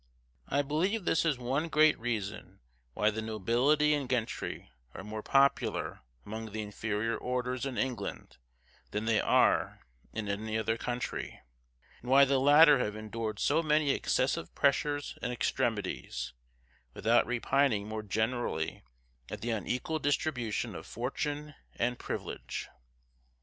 I believe this is one great reason why the nobility and gentry are more popular among the inferior orders in England than they are in any other country; and why the latter have endured so many excessive pressures and extremities, without repining more generally at the unequal distribution of fortune and privilege.